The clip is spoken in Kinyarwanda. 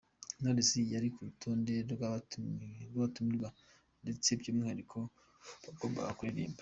Knowless yari ku rutonde rw’abatumirwa ndetse by’umwihariko yagombaga kuririmba.